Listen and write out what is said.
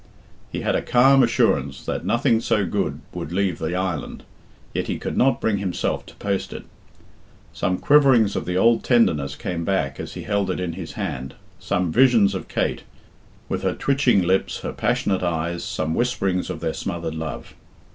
He had a calm assurance that nothing so good would leave the island, yet he could not bring himself to post it. Some quiverings of the old tenderness came back as he held it in his hand, some visions of Kate, with her twitching lips, her passionate eyes, some whisperings of their smothered love.